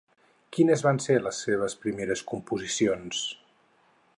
Quines van ser les seves primeres composicions?